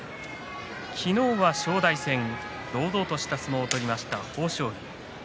昨日は正代戦堂々とした相撲を取りました